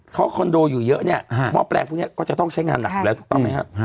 เขาคอนโดอยู่เยอะเนี่ยหม้อแปลงพวกนี้ก็จะต้องใช้งานหนักอยู่แล้วถูกต้องไหมครับ